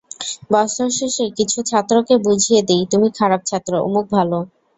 বছর শেষে কিছু ছাত্রকে বুঝিয়ে দিই তুমি খারাপ ছাত্র, অমুক ভালো।